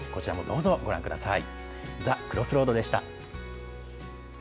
こちらもどうぞご覧ください。